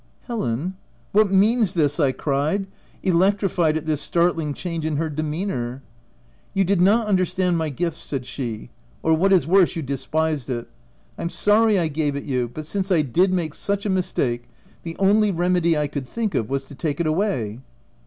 "Helen! what means this?" I cried, elec trified at this startling change in her de meanour. "You did not understand my gift," said she, — "or, what is worse, you despised it: I'm sorry I gave it you ; but since I did make such a mistake, the only remedy I could think of, was to take it away."